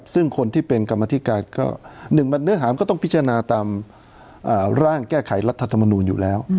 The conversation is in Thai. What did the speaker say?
ซึ่งคนที่เป็นกรรมธิการก็๑มันเนื้อหามันก็ต้องพิจารณาตามร่างแก้ไขรัฐธรรมนูลอยู่แล้ว